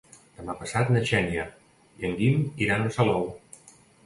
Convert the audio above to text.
Demà passat na Xènia i en Guim iran a Salou.